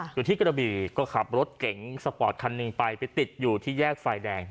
คือที่กระบี่ก็ขับรถเก๋งสปอร์ตคันหนึ่งไปไปติดอยู่ที่แยกไฟแดง